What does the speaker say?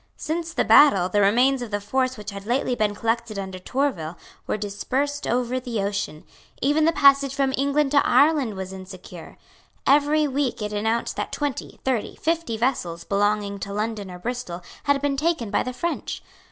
Since the battle, the remains of the force which had lately been collected under Tourville were dispersed over the ocean. Even the passage from England to Ireland was insecure. Every week it was announced that twenty, thirty, fifty vessels belonging to London or Bristol had been taken by the French.